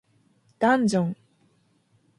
ダンジョン